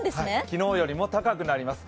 昨日よりも高くなります。